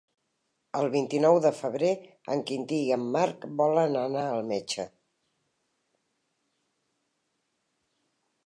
El vint-i-nou de febrer en Quintí i en Marc volen anar al metge.